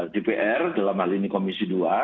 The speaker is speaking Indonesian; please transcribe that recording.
dpr dalam hal ini komisi dua